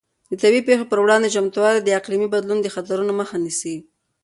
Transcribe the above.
د طبیعي پېښو پر وړاندې چمتووالی د اقلیمي بدلون د خطرونو مخه نیسي.